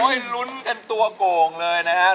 ลุ้นกันตัวโก่งเลยนะครับ